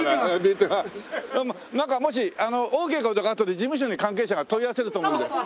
なんかもしあのオーケーかどうかあとで事務所に関係者が問い合わせると思うんで。